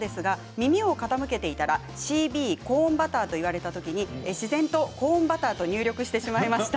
耳を傾けていたらＣＢコーンバターというときに自然とコーンバターと入力してしまいました。